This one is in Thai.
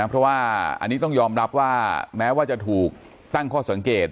เพราะว่าอันนี้ต้องยอมรับว่าแม้ว่าจะถูกตั้งข้อสังเกต